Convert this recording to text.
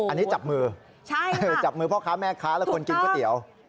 อันนี้จับมือจับมือพ่อค้าแม่ค้าและคนกินก๋วยเตี๋ยว